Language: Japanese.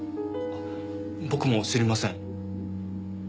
僕も知りません。